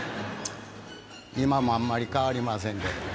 今もあんまり変わりませんけど。